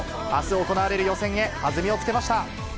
あす行われる予選へ、弾みをつけました。